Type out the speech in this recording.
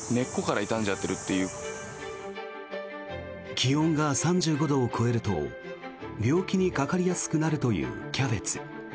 気温が３５度を超えると病気にかかりやすくなるというキャベツ。